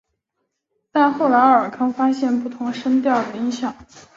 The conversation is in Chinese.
但后来奥尔康发现使用同步发生器能为游戏加入不同音调的音效。